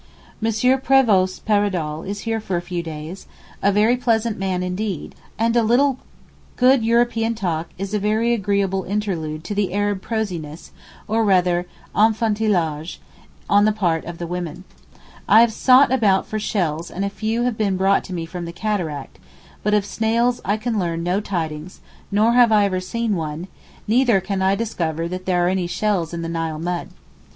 M. Prévost Paradol is here for a few days—a very pleasant man indeed, and a little good European talk is a very agreeable interlude to the Arab prosiness, or rather enfantillage, on the part of the women. I have sought about for shells and a few have been brought me from the Cataract, but of snails I can learn no tidings nor have I ever seen one, neither can I discover that there are any shells in the Nile mud.